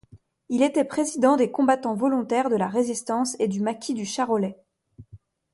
Il était Président des Combattants Volontaires de la Résistance et du maquis du Charolais.